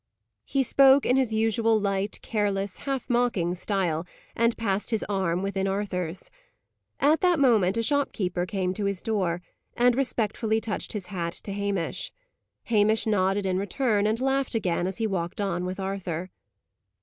He spoke in his usual light, careless, half mocking style, and passed his arm within Arthur's. At that moment a shopkeeper came to his door, and respectfully touched his hat to Hamish. Hamish nodded in return, and laughed again as he walked on with Arthur.